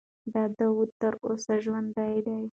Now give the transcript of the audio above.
دا دود تر اوسه ژوندی دی.